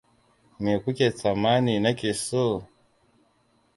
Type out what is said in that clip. Me kuke tsammani nake so?